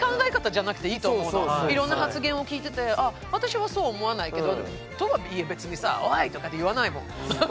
別にいろんな発言を聞いてて「あ私はそうは思わないけど」。とはいえ別にさ「おい！」とかって言わないもん。